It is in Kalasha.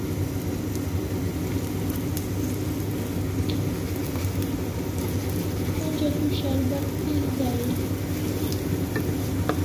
Onja tu sharbat pis dai e?